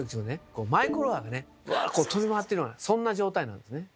こうマイクロ波がね飛び回ってるようなそんな状態なんですね。